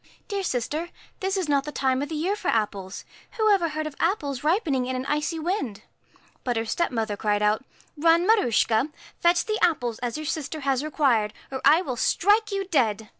' Dear sister, this is not the time of the year for apples. Who ever heard of apples ripening in an icy wind ?' But her stepmother cried put, ' Run, Maruschka, fetch the apples as your sister has required, or I will strike you dead.'